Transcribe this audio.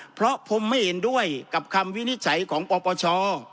เพราะผมไม่เห็นด้วยกับคำวินิจฉัยของปปช